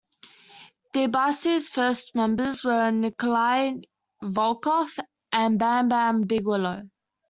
DiBiase's first members were Nikolai Volkoff and Bam Bam Bigelow.